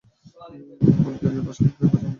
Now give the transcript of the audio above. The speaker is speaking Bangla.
বুলগেরীয় ভাষা বুলগেরীয় প্রজাতন্ত্রের সরকারি ভাষা।